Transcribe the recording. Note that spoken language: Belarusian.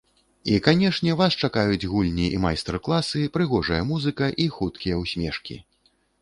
І канешне вас чакаюць гульні і майстар-классы, прыгожая музыка і хуткія усмешкі!